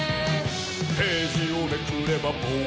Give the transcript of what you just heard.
「ページをめくれば冒険に」